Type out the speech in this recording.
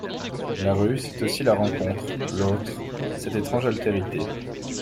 La rue, c’est aussi la rencontre, l’autre, cette étrange altérité.